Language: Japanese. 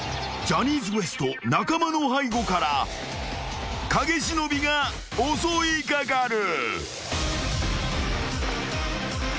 ［ジャニーズＷＥＳＴ中間の背後から影忍が襲い掛かる］